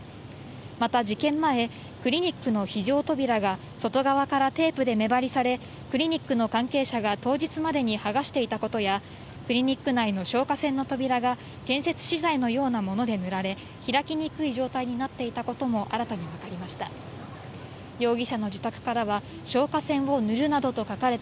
また事件前、クリニックの非常扉が外側からテープで目張りされ、クリニックの関係者が当日までに剥がしていたことやクリニック内の消火栓の扉が建設資材のようなもので塗られ開きにくい状態になっていたことも新たに分かりました。